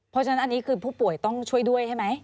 เพราะฉะนั้นอันนี้คือผู้ป่วยต้องช่วยด้วยใช่ไหม